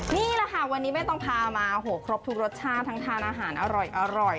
นี่แหละค่ะวันนี้ไม่ต้องพามาครบทุกรสชาติทั้งทานอาหารอร่อย